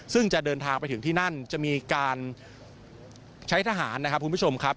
ซึ่งจะเดินทางไปถึงที่นั่นจะมีการใช้ทหารนะครับคุณผู้ชมครับ